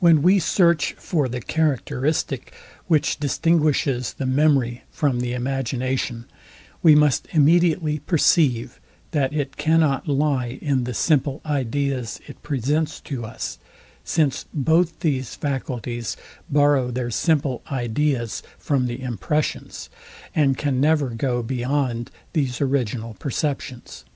When we search for the characteristic, which distinguishes the memory from the imagination, we must immediately perceive, that it cannot lie in the simple ideas it presents to us; since both these faculties borrow their simple ideas from the impressions, and can never go beyond these original perceptions.